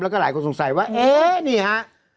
แล้วก็หลายคนสงสัยว่าเอ๊ะนี่ฮะ